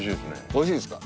おいしいですか？